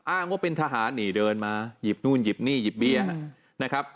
อ้างว่าเป็นทหารนี่เดินมาหยิบนู่นหยิบนี่หยิบเบี้ยนะครับ